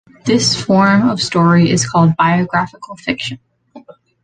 This form of story is called biographical fiction.